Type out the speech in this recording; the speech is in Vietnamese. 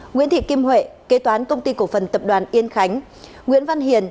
nguyễn thị kim huệ kế toán công ty cổ phần tập đoàn yên khánh nguyễn văn hiền